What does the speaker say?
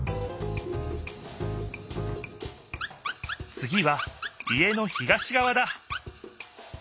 つぎは家の東がわだ！